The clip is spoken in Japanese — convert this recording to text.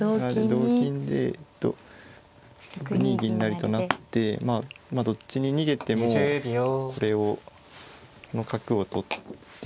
同金で６二銀成と成ってまあどっちに逃げてもこれをこの角を取って。